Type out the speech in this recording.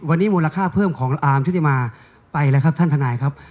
วันนี้มูลค่าเพิ่มของอาร์มชุติมาไปแล้วครับท่านทนายครับ